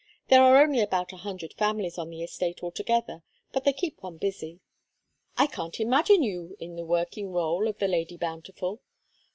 There are only about a hundred families on the estate altogether, but they keep one busy." "I can't imagine you in the working rôle of the Lady Bountiful.